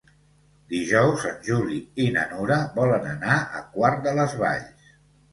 Dijous en Juli i na Nura volen anar a Quart de les Valls.